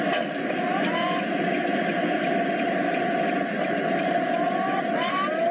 โอ้โห